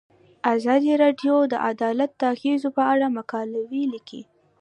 ازادي راډیو د عدالت د اغیزو په اړه مقالو لیکلي.